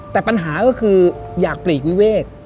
แต่ปัญหาก็คืออยากปลีกวิเวก